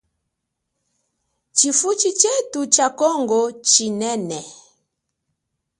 Tshifuchi chethu cha kongo chinene.